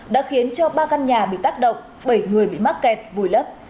đã khiến cho ba căn nhà bị tác động bảy người bị mắc kẹt vùi lấp